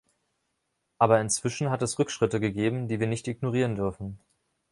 Aber inzwischen hat es Rückschritte gegeben, die wir nicht ignorieren dürfen.